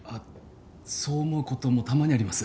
そう思う事もたまにあります。